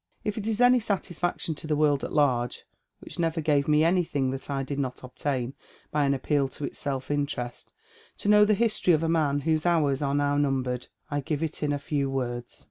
" If it is any satisfaction to the world at large, which never gave me anything that I did not obtain by an appeal to its self interest, to know the historj' of a man whose hours are now numbered, I give it in a few words.